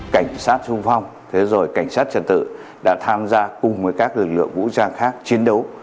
cảnh sát trung phong thế rồi cảnh sát trận tự đã tham gia cùng với các lực lượng vũ trang khác chiến đấu